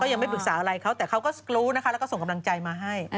ยังไม่ปรึกษาอะไรเขาแต่เขาก็รู้นะคะแล้วก็ส่งกำลังใจมาให้